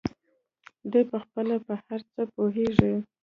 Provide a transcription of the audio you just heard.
دى پخپله په هر څه پوهېږي.